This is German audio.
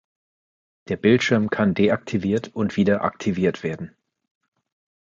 Der Bildschirm kann deaktiviert und wieder aktiviert werden.